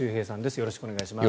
よろしくお願いします。